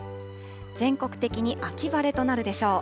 全国的に秋晴れとなるでしょう。